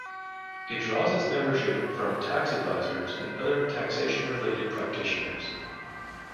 It draws its membership from tax advisers and other taxation-related practitioners.